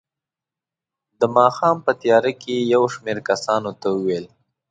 د ماښام په تیاره کې یې یو شمېر کسانو ته وویل.